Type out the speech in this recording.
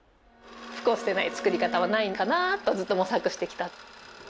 服を捨てない作り方はないのかなとずっと模索してきた。